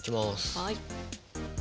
はい。